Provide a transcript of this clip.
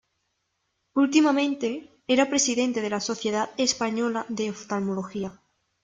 Últimamente era presidente de la Sociedad Española de Oftalmología.